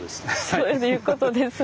そういうことですね。